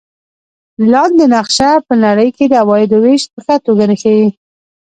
لاندې نقشه په نړۍ کې د عوایدو وېش په ښه توګه ښيي.